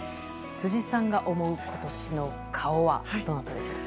辻さんが思う今年の顔はどなたですか？